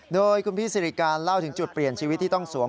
โดยคุณพี่สิริการเล่าถึงจุดเปลี่ยนชีวิตที่ต้องสวม